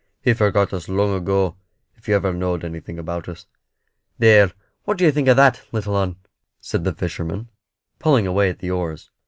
"He forgot us long ago, if ever He knowed anything about us." "There, what d'ye think o' that, little 'un?" said the fisherman, pulling away at the oars.